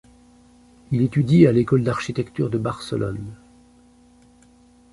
Il étudie à l'École d'Architecture de Barcelone.